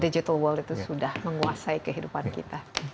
digital world itu sudah menguasai kehidupan kita